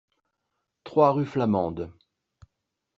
trois rue Flamande